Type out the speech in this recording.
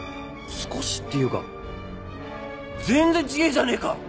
少しっていうか全然違うじゃねえか！